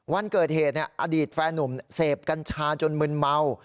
วันเกิดเหตุอดีตแฟนนุ่มเสพกัญชาจนมึนเมา